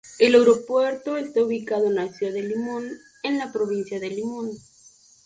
El aeropuerto es ubicado en la ciudad de Limón en la Provincia de Limón.